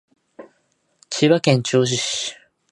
千葉県銚子市